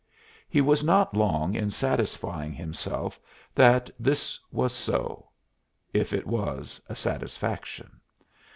He was not long in satisfying himself that this was so if it was a satisfaction.